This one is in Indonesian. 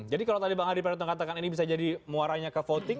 jadi kalau tadi bang adi pradhan mengatakan ini bisa jadi muaranya kevankan